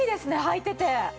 履いてて。